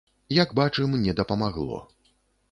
Як бачым, не дапамагло.